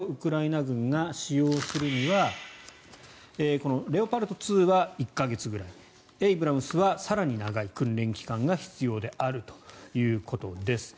この供与された戦車をウクライナ軍が使用するにはレオパルト２は１か月ぐらいエイブラムスは更に長い訓練期間が必要であるということです。